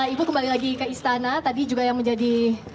ibu kembali lagi ke istana tadi juga yang menjadi